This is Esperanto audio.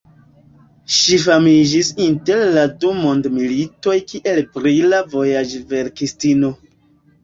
Ŝi famiĝis inter la du mondmilitoj kiel brila vojaĝverkistino.